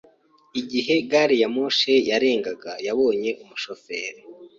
Igihe gari ya moshi yarengaga, yabonye umushoferi.